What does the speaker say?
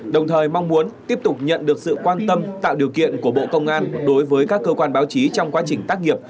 đồng thời mong muốn tiếp tục nhận được sự quan tâm tạo điều kiện của bộ công an đối với các cơ quan báo chí trong quá trình tác nghiệp